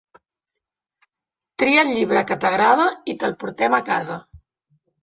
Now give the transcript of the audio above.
Tria el llibre que t'agrada i te'l portem a casa.